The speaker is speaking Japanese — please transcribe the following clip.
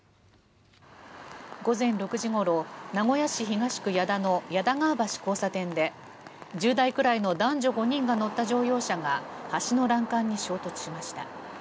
午前６時ごろ名古屋市東区矢田の矢田川橋交差点で１０代くらいの男女５人が乗った乗用車が橋の欄干に衝突しました。